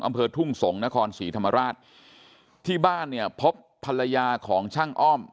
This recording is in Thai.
อำเภอทุ่งสงศ์นครศรีธรรมราชที่บ้านเนี่ยพบภรรยาของช่างอ้อม